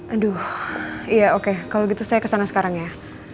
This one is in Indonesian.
aduh iya oke kalau gitu saya kesana sekarang ya